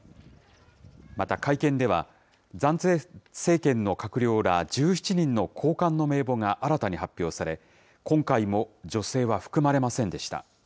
また、会見では暫定政権の閣僚ら１７人の高官の名簿が新たに発表され、今回も女性は含まれませんでした。